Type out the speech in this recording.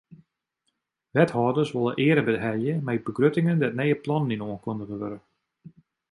Wethâlders wolle eare behelje mei begruttingen dêr't nije plannen yn oankundige wurde.